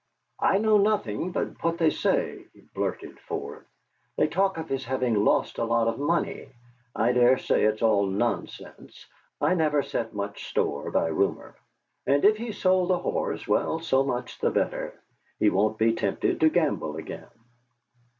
"I know nothing but what they say," he blurted forth; "they talk of his having lost a lot of money. I dare say it's all nonsense. I never set much store by rumour. And if he's sold the horse, well, so much the better. He won't be tempted to gamble again."